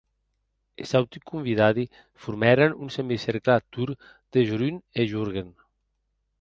Es auti convidadi formèren un semicercle ath torn de Jorun e Jorgen.